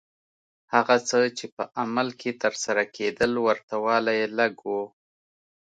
هغه څه چې په عمل کې ترسره کېدل ورته والی یې لږ و.